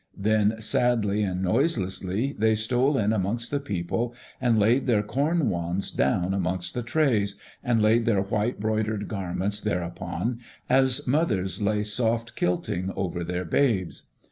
Then sadly and noiselessly they stole in amongst the people and laid their corn wands down amongst the trays, and laid their white broidered garments thereupon, as mothers lay soft kilting over their babes.